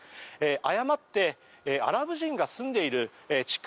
誤ってアラブ人が住んでいる地区